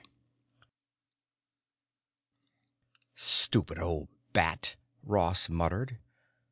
8 "STUPID old bat," Ross muttered.